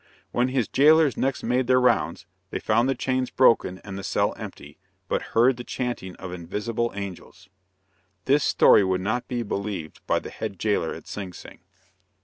When his jailers next made their rounds, they found the chains broken and the cell empty, but heard the chanting of invisible angels. This story would not be believed by the head jailer at Sing Sing.